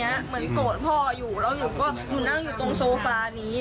เหมือนโกรธพ่ออยู่แล้วหนูก็หนูนั่งอยู่ตรงโซฟานี้